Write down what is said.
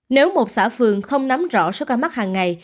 nếu một xã phường không nắm rõ số ca mắc hàng ngày